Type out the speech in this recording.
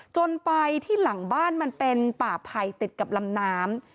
จนไปที่หลังบ้านมันเป็นป่าไผ่ติดกับลำน้ำ